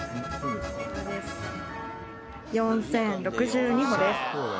４０６２歩です。